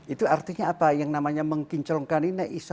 itu artinya apa yang namanya mengkinclongkan ini